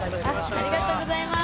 ありがとうございます。